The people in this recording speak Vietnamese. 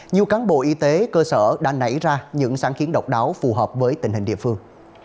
nhiều cán bộ y tế cơ sở đã nảy ra những sáng kiến độc đáo phù hợp với tình hình địa phương